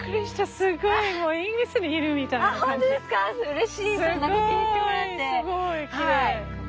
すごいきれい！